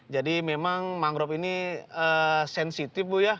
jadi memang mangrove ini sensitif bu ya